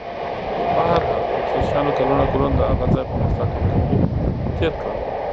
په هر حال، اتریشیانو کلونه کلونه د هغه ځای په مستحکم کولو تېر کړل.